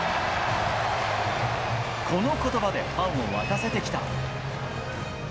このことばでファンを沸かせてきた。